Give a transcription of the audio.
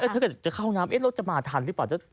อ๋อถ้าเกิดจะเข้าห้องน้ำเราจะมาทันหรือเปล่า